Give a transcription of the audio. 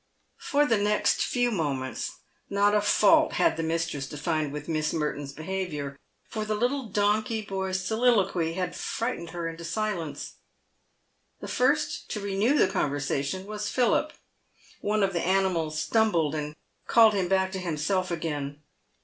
Por the next few moments not a fault had the mistress to find with Miss Merton's behaviour, for the little donkey boy's soliloquy had 166 PAVED WITH GOLD. frightened her into silence. The first to renew the conversation was Philip. One of the animals stumbled, and called him back to himself again.